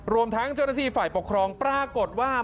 รวมทั้งเจ้าหน้าที่ฝ่ายปกครองปรากฏว่า